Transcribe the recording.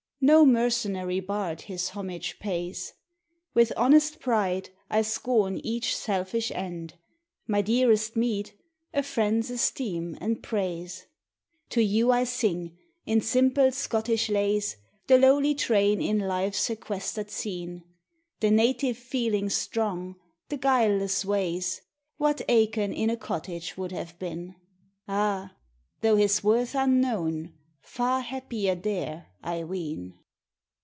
No mercenary bard his homage pays: With honest pride I scorn each sellish end; My dearest meed, a friend's esteem and praise. To you I sing, in simple Scottish lays. The lowly train in life's sequestered scene; The native feelings strong, the guileless ways; What Aiken in a cottage would have been; Ah ! though his worth unknown, far happier there, I ween.